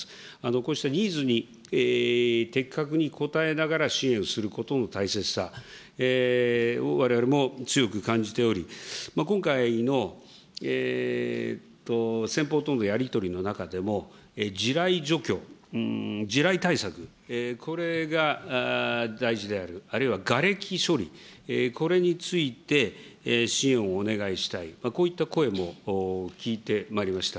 こうしたニーズに的確に応えながら支援することの大切さをわれわれも強く感じており、今回の先方とのやり取りの中でも、地雷除去、地雷対策、これが大事である、あるいはがれき処理、これについて支援をお願いしたい、こういった声も聞いてまいりました。